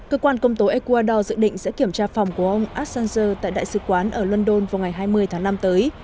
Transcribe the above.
cơ quan công tố ecuador dự định sẽ kiểm tra phòng của ông assanger tại đại sứ quán ở london vào ngày hai mươi tháng năm tới